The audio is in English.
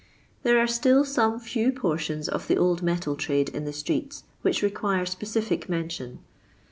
There are still some few portions of the old metal trade in the streets which require specific mention.